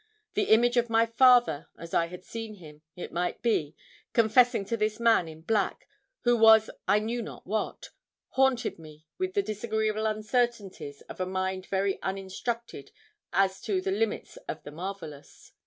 The image of my father, as I had seen him, it might be, confessing to this man in black, who was I knew not what, haunted me with the disagreeable uncertainties of a mind very uninstructed as to the limits of the marvellous.